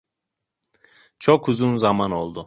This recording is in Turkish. Çok uzun zaman oldu.